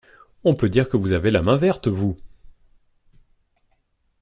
On peut dire que vous avez la main verte, vous!